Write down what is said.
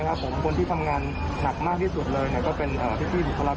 ให้กับพิธีที่กำลังประกอบปัญหาโควิดอย่างนี้นะครับ